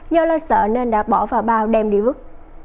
do lo sợ nên đã bỏ vào bao đem đi vứt